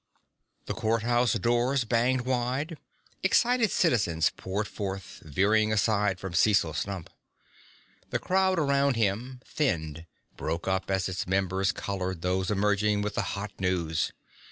The courthouse doors banged wide; excited citizens poured forth, veering aside from Cecil Stump. The crowd around him thinned, broke up as its members collared those emerging with the hot news.